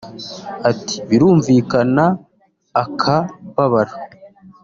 Ati “Birumvikana akababaro